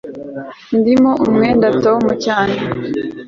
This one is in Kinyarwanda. Ndimo umwenda Tom cyane